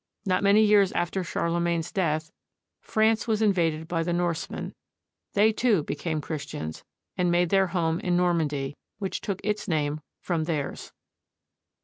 Not many years after Charlemagne's death, France was invaded by the Norsemen. They, too, became Christians, and made their home in Normandy, which took its name from theirs.